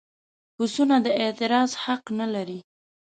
پسونه د اعتراض حق نه لري.